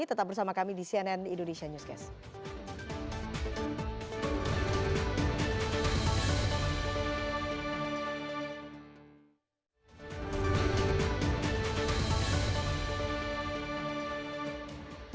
tetap bersama kami di cnn indonesia newscast